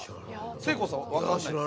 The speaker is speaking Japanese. せいこうさん分からないですか？